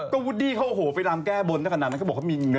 ก็วูดดี้เขาไปรำแก้บนแล้วกันนั้น